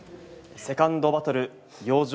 セカンドバトル養生